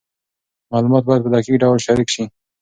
معلومات باید په دقیق ډول شریک سي.